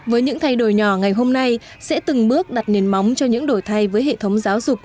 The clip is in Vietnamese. với những thay đổi nhỏ ngày hôm nay sẽ từng bước đặt nền móng cho những đổi thay với hệ thống giáo dục